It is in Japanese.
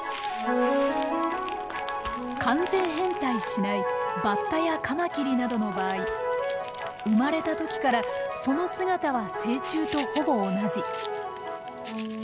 完全変態しないバッタやカマキリなどの場合生まれた時からその姿は成虫とほぼ同じ。